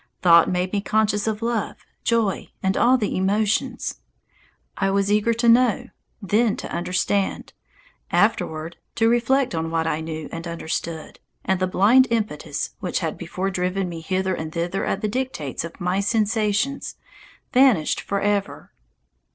Thought made me conscious of love, joy, and all the emotions. I was eager to know, then to understand, afterward to reflect on what I knew and understood, and the blind impetus, which had before driven me hither and thither at the dictates of my sensations, vanished forever.